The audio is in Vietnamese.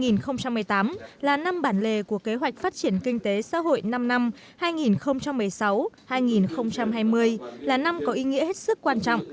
năm hai nghìn một mươi tám là năm bản lề của kế hoạch phát triển kinh tế xã hội năm năm hai nghìn một mươi sáu hai nghìn hai mươi là năm có ý nghĩa hết sức quan trọng